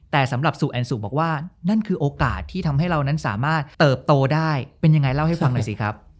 แต่สำหรับสู่แอนซูบอกว่านั่นคือโอกาสที่ทำให้เรานั้นสามารถเติบโตได้เป็นยังไงเล่าให้ฟังหน่อยสิครับ